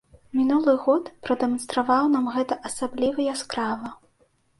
Мінулы год прадэманстраваў нам гэта асабліва яскрава.